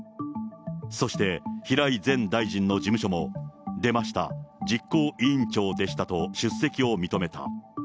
そして、平井前大臣の事務所も、出ました、実行委員長でしたと、出席を認めた。